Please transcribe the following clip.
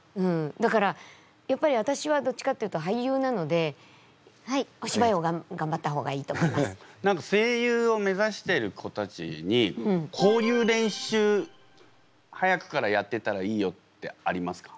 だからやっぱり私はどっちかっていうと俳優なので何か声優をめざしてる子たちにこういう練習早くからやってたらいいよってありますか？